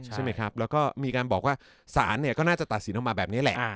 ใช่ไหมครับแล้วก็มีการบอกว่าสารเนี่ยก็น่าจะตัดสินออกมาแบบนี้แหละ